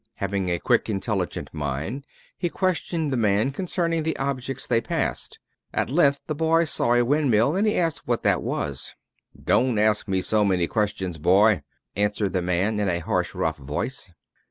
Having a quick intelligent mind, he questioned the man concerning the objects they passed. At length the boy saw a windmill, and he asked what that was. "Don't ask me so many questions, boy," answered the man, in a harsh, rough voice.